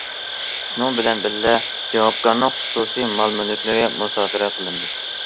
شۇنىڭ بىلەن بىللە، جاۋابكارنىڭ خۇسۇسىي مال- مۈلۈكلىرى مۇسادىرە قىلىندى.